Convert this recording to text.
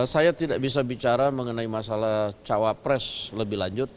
saya tidak bisa bicara mengenai masalah cawapres lebih lanjut